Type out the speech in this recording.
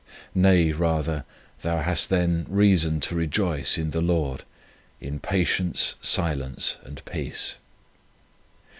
Nay, rather, thou hast then great reason to rejoice in the Lord in patience, silence, and peace.